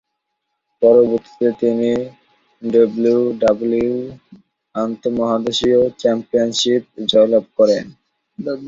পরবর্তীতে তিনি ডাব্লিউডাব্লিউই আন্তঃমহাদেশীয় চ্যাম্পিয়নশিপ জয়লাভ করেন।